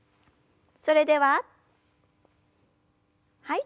それでははい。